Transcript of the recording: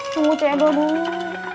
tunggu cedol dulu